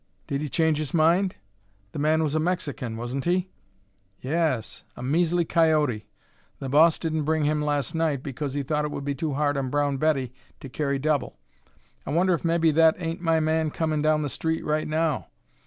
Did he change his mind? The man was a Mexican, wasn't he?" "Y e s; a measly coyote! The boss didn't bring him last night because he thought it would be too hard on Brown Betty to carry double. I wonder if mebbe that ain't my man comin' down the street right now!